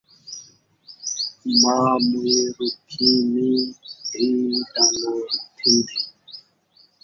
ماء موئی رُکھیمیں ، دھی دا ناں تھن٘دی